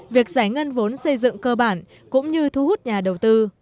việc giải ngân vốn xây dựng cơ bản cũng như thu hút nhà đầu tư